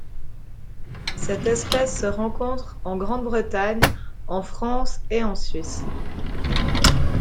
Cette espèce se rencontre en Grande-Bretagne, en France et en Suisse.